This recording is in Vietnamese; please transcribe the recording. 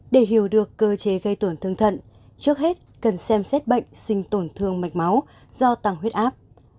để hiểu được cơ chế gây tổn thương thận trước hết cần xem xét bệnh sinh tổn thương mạch máu do tăng huyết áp